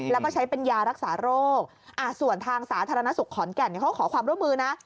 แล้วก็ใช้เป็นยารักษาโรคส่วนทางสาธารณสุขขอนแก่นเขาขอความร่วมมือนะ